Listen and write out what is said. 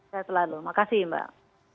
sehat selalu makasih mbak